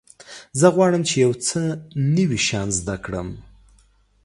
زه غواړم چې یو څه نوي شیان زده کړم.